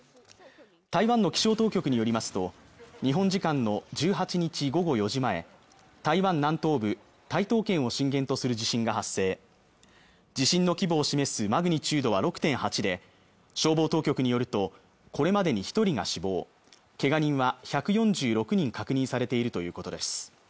台湾の気象当局によりますと日本時間の１８日午後４時前台湾南東部台東県を震源とする地震が発生地震の規模を示すマグニチュードは６．８で消防当局によるとこれまでに一人が死亡けが人は１４６人確認されているということです